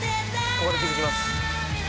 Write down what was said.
「ここで気付きます」